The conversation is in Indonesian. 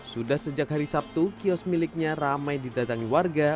sudah sejak hari sabtu kios miliknya ramai didatangi warga